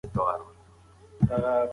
که سوله وي نو پایدار وي.